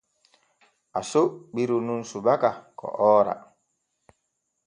Aso ɓiru nun subaka ko oora.